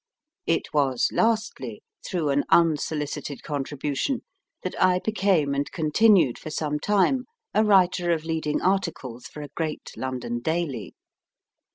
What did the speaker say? It was, lastly, through an un solicited contribution that I became and continued for some time a writer of leading articles for a great London daily.